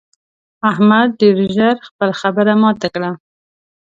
احمد ډېر ژر خپله خبره ماته کړه.